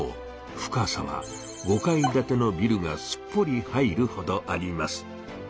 深さは５階建てのビルがすっぽり入るほどあります。